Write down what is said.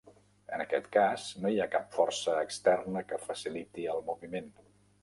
En aquest cas, no hi ha cap força externa que faciliti el moviment.